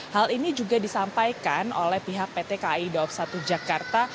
hal ini juga disampaikan oleh pihak pt ki dua puluh satu jakarta